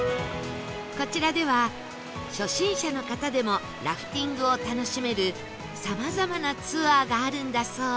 こちらでは初心者の方でもラフティングを楽しめるさまざまなツアーがあるんだそう